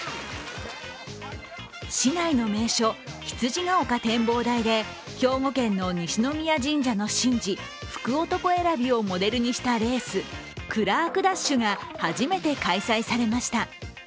市内の名所、羊ヶ丘展望台で兵庫県の西宮神社の神事、福男選びをモデルにしたレース、クラークダッシュが初めて開催されました。